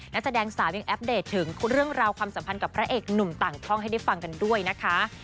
นักแสดงสาวยังอัปเดตถึงเรื่องราวความสัมพันธ์กับพระเอกหนุ่มต่างท่องให้ได้ฟังกันด้วยนะคะ